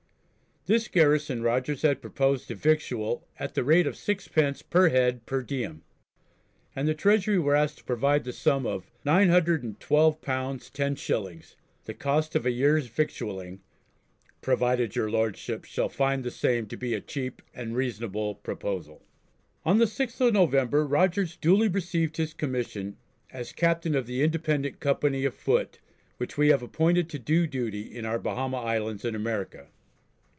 This garrison Rogers had proposed to victual at the rate of 6_d._ per head per diem, and the Treasury were asked to provide the sum of £912 10_s._ the cost of a year's victualling "provided your Lordships shall find the same to be a cheap and reasonable proposal." On the 6th of November Rogers duly received his commission as "Captain of that Independent Company of Foot which we have appointed to do duty in our Bahama Islands in America."